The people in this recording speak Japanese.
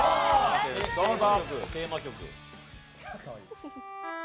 どうぞ。